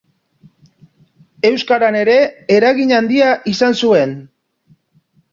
Euskaran ere eragin handia izan zuen.